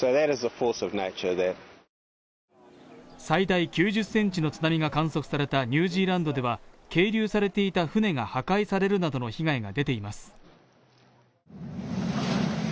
最大９０ｃｍの津波が観測されたニュージーランドでは、係留されていた船が破壊されるなどの被害が出ています。